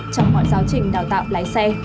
trong mọi giáo trình đào tạo lái xe